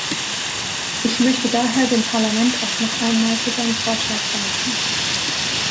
Ich möchte daher dem Parlament auch noch einmal für seinen Vorschlag danken.